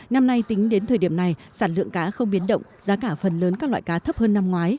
năm nay tính đến thời điểm này sản lượng cá không biến động giá cả phần lớn các loại cá thấp hơn năm ngoái